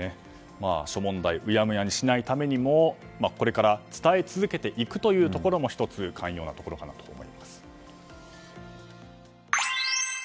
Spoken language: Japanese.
諸問題うやむやにしないためにもこれから伝え続けていくというところも１つ肝要なところかなと思います。